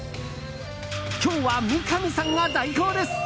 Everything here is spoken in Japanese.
今日は三上さんが代行です。